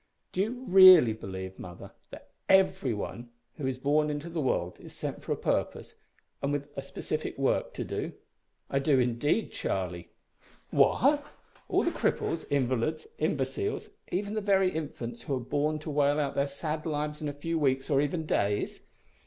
"Do you really believe, mother, that every one who is born into the world is sent for a purpose, and with a specific work to do?" "I do indeed, Charlie." "What! all the cripples, invalids, imbeciles, even the very infants who are born to wail out their sad lives in a few weeks, or even days?"